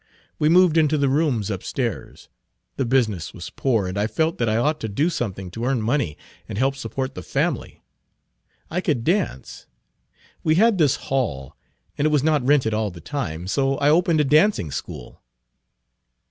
We moved into the rooms upstairs. The business was poor, and I felt that I ought to do something to earn money and help support the family. I could dance; we had this hall, and it was not rented all the time, so I opened a dancing school."